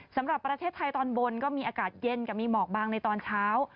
สำหรับประเทศไทยตอนบนก็มีอากาศเย็นกับมีหมอกบางในตอนเช้า